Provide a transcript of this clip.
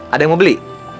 ada yang mau beli